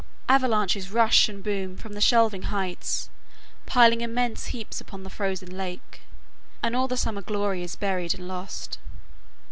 Avalanches rush and boom from the shelving heights, piling immense heaps upon the frozen lake, and all the summer glory is buried and lost.